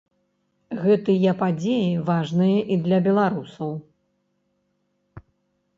Гэтыя падзеі важныя і для беларусаў.